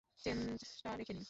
চেঞ্জটা রেখে নিন।